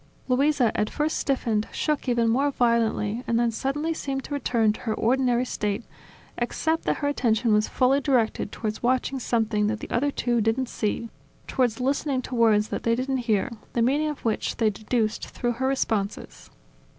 Luisa, at first stiffened, shook even more violently and then suddenly seemed to return to her ordinary state; except that her attention was fully directed towards watching something that the other two didn't see, towards listening to words that they didn't hear, the meaning of which they deduced through her responses.